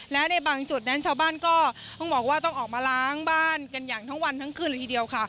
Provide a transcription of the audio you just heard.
และในบางจุดนั้นชาวบ้านก็ต้องบอกว่าต้องออกมาล้างบ้านกันอย่างทั้งวันทั้งคืนเลยทีเดียวค่ะ